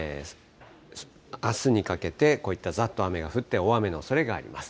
あすにかけて、こういったざーっといった雨が降って、大雨のおそれがあります。